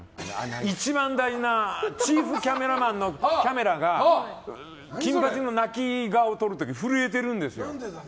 一番大事なチーフキャメラマンのキャメラが金八の泣き顔を撮る時に震えてるんですよ。